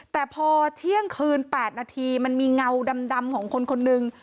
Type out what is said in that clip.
แต่พอเที่ยงคืน๘นาทีมันมีเงาดำของคนคนนึง